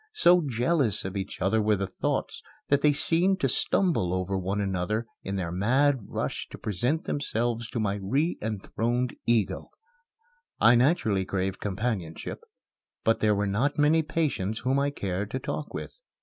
So jealous of each other were the thoughts that they seemed to stumble over one another in their mad rush to present themselves to my re enthroned ego. I naturally craved companionship, but there were not many patients whom I cared to talk with.